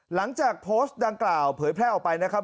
หลังจากโพสต์ดังกล่าวเผยแพร่ออกไปนะครับ